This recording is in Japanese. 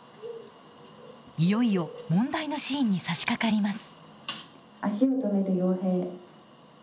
いよいよ問題のシーンにさしかかります。